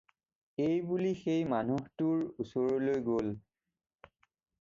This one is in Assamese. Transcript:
এই বুলি সেই মানুহটোৰ ওচৰলৈ গ'ল।